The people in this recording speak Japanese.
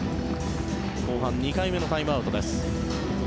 後半２回目のタイムアウトです。